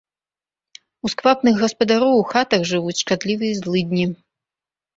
У сквапных гаспадароў у хатах жывуць шкадлівыя злыдні.